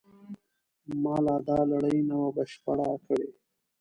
ما لا دا لړۍ نه وه بشپړه کړې.